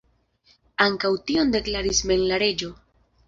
Ankaŭ tion deklaris mem la reĝo.